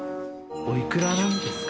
おいくらなんですか？